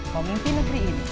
memimpin negeri ini